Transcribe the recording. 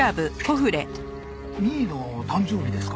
美依の誕生日ですか。